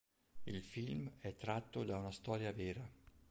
Il film è tratto da una storia vera.